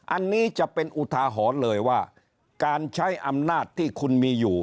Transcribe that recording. อันนี้จะเป็นอุทาหรณ์เลยว่าการใช้อำนาจที่คุณมีอยู่